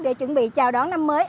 để chuẩn bị chào đón năm mới